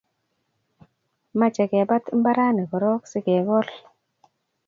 Mache kebat mbaranni korok sigekol